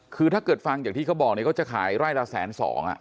คือถ้าเกิดฟังอย่างที่เขาบอกเนี่ยเขาจะขายไร่ละแสนสอง